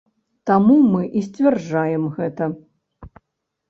Таму мы і сцвярджаем гэта!